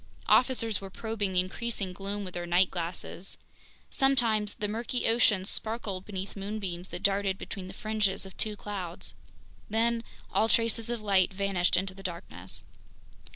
Officers were probing the increasing gloom with their night glasses. Sometimes the murky ocean sparkled beneath moonbeams that darted between the fringes of two clouds. Then all traces of light vanished into the darkness.